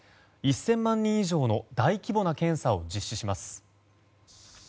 １０００万人以上の大規模な検査を実施します。